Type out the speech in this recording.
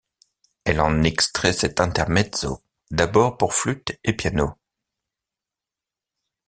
Elle en extrait cet intermezzo, d'abord pour flûte et piano.